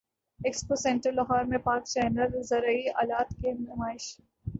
expo centre Lahore میں Pak China زرعی الات کی نمائش